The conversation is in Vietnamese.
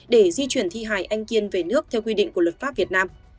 để di chuyển thi hài anh kiên về nước theo quy định của luật pháp việt nam